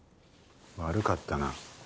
悪かったな。